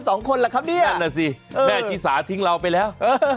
สองคนล่ะครับเนี่ยนั่นน่ะสิแม่ชีสาทิ้งเราไปแล้ว